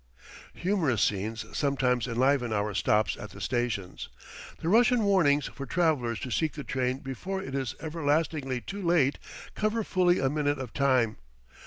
Humorous scenes sometimes enliven our stops at the stations. The Russian warnings for travellers to seek the train before it is everlastingly too late cover fully a minute of time.